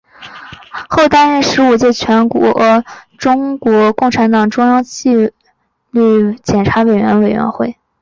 后担任第十五届全国中国共产党中央纪律检查委员会委员。